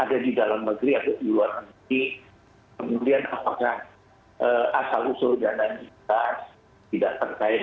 ada di dalam negeri atau di luar negeri kemudian apakah asal usul dana yang kita tidak terkait